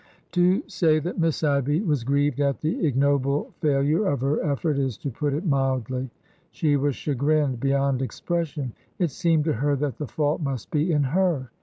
To say that Miss Abby was grieved at the ignoble fail ure of her effort is to put it mildly. She was chagrined beyond expression. It seemed to her that the fault must be in her.